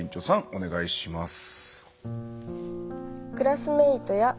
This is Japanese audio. お願いします。